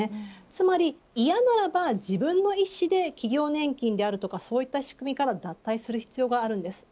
つまり嫌ならば自分の意思で企業年金であるとかそういった仕組みから脱退する必要があります。